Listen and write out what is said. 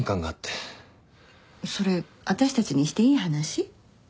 それ私たちにしていい話？